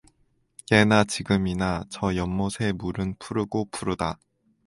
예나 지금이나 저 연못의 물은 푸르고 푸르다.